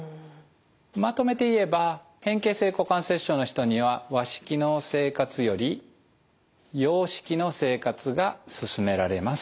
まとめて言えば変形性股関節症の人には和式の生活より洋式の生活がすすめられます。